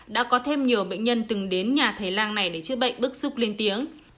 đã có thêm nhiều bệnh nhân từng đến nhà thầy lang này để chữa bệnh bức xúc lên tiếng